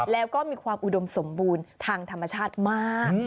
แล้วก็มีความอุดมสมบูรณ์ทางธรรมชาติมาก